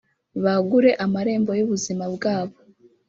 bagure amarembo y’ubuzima bwabo